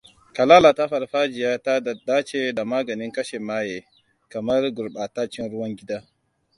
Ka lalata farfajiya ta dace da maganin kashe maye, kamar gurɓataccen ruwan gida.